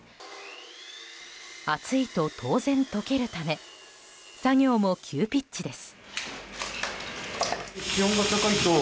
暑いと当然解けるため作業も急ピッチです。